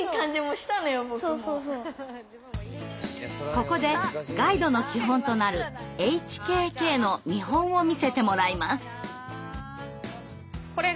ここでガイドの基本となるＨＫＫの見本を見せてもらいます。